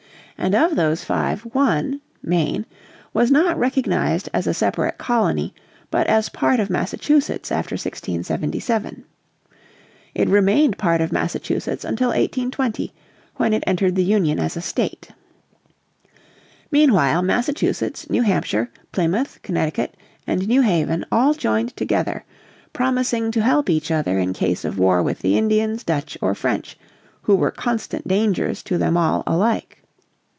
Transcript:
And of those five, one (Maine) was not recognised as a separate colony but as part of Massachusetts after 1677. It remained part of Massachusetts until 1820, when it entered the Union as a state. Meanwhile Massachusetts, New Hampshire, Plymouth, Connecticut, and New Haven all joined together, promising to help each other in case of war with the Indians, Dutch, or French, who were constant dangers to them all alike.